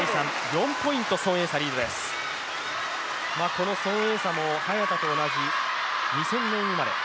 この孫エイ莎も早田と同じ２０００年生まれ。